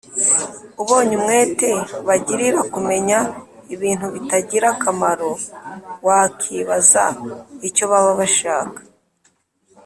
Ubonye umwete bagirira kumenya ibintu bitagira akamaro wakibaza icyo baba bashaka